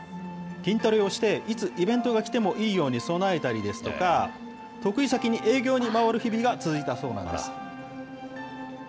筋トレをして、いつ、イベントがきてもいいように備えたりですとか、得意先に営業に回る日々が続いたそうなんです。